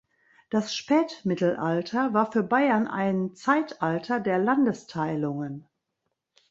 Das Spätmittelalter war für Bayern ein Zeitalter der Landesteilungen.